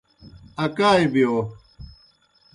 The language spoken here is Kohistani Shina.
اکائے بِیو۔